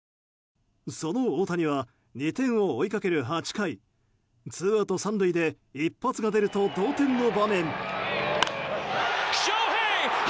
その大谷は２点を追いかける８回ツーアウト３塁で一発が出ると同点の場面。